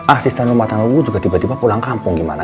asisten rumah tanggamu juga tiba tiba pulang kampung gimana